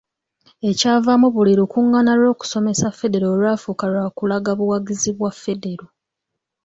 Ekyavaamu buli lukuŋŋaana lw’okusomesa Federo lwafuuka lwa kulaga buwagizi bwa Federo.